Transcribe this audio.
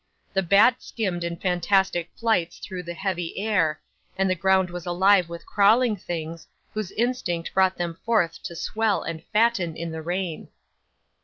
The bat skimmed in fantastic flights through the heavy air, and the ground was alive with crawling things, whose instinct brought them forth to swell and fatten in the rain.